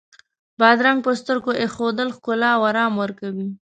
بادرنګ پر سترګو ایښودل ښکلا او آرام ورکوي.